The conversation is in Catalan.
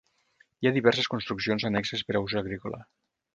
Hi ha diverses construccions annexes per a ús agrícola.